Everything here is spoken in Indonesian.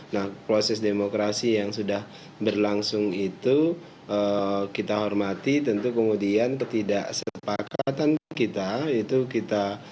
nah proses demokrasi yang sudah berlangsung itu kita hormati tentu kemudian ketidaksepakatanku kita